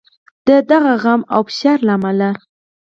د دغه غم او فشار له امله.